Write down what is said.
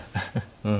うん。